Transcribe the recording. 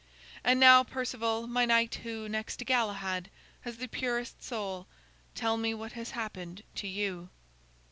And now, Perceval, my knight who, next to Galahad, has the purest soul, tell me what has happened to you."